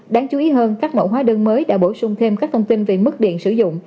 đáng chú ý hơn các mẫu hóa đơn mới đã bổ sung thêm các thông tin về mức điện sử dụng